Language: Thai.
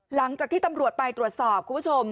หลังจากที่ตำรวจไปตรวจสอบคุณผู้ชม